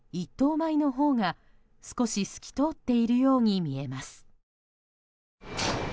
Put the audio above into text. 米のほうが少し透き通っているように見えます。